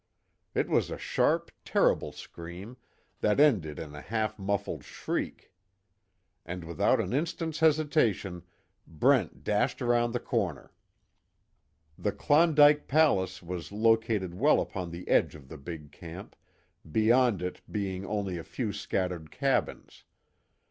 It was a sharp, terrible scream, that ended in a half muffled shriek. And without an instant's hesitation, Brent dashed around the corner. The "Klondike Palace" was located well upon the edge of the big camp, beyond it being only a few scattered cabins.